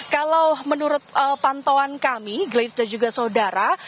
kalau menurut pantauan kami grace dan juga saudara